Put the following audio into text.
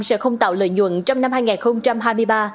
sẽ không tạo lợi nhuận trong năm hai nghìn hai mươi ba